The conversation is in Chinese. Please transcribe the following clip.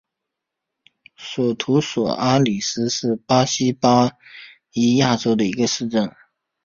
索图索阿里斯是巴西巴伊亚州的一个市镇。